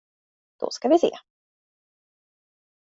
Då ska vi se.